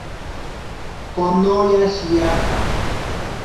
Konoya shiyaja.